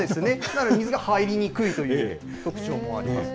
だから水が入りにくいという特徴もあります。